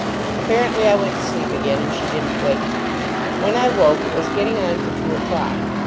Apparently I went to sleep again, and she didn't wait. When I woke, it was getting on for two o'clock.